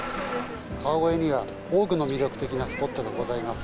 川越には、多くの魅力的なスポットがございます。